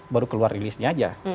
baru keluar release nya aja